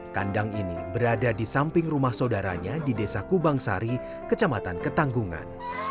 kandang ini berada di samping rumah saudaranya di desa kubang sari kecamatan ketanggungan